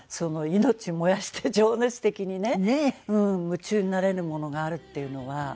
命燃やして情熱的にね夢中になれるものがあるっていうのは。